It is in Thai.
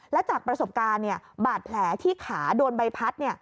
และจากประสบการณ์บาดแผลที่ขาโดนใบพัด